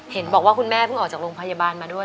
เห็นบอกว่าคุณแม่เพิ่งออกจากโรงพยาบาลมาด้วย